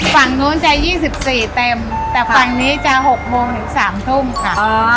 ฝั่งนู้นจะ๒๔เต็มแต่ฝั่งนี้จะ๖โมงถึง๓ทุ่มค่ะ